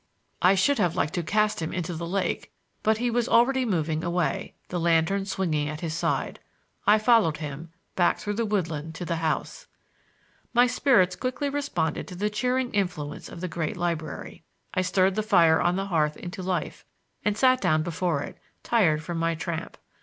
I should have liked to cast him into the lake, but be was already moving away, the lantern swinging at his side. I followed him, back through the woodland to the house. My spirits quickly responded to the cheering influence of the great library. I stirred the fire on the hearth into life and sat down before it, tired from my tramp.